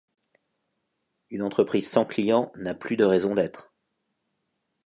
Une entreprise sans client n'a plus de raison d'être.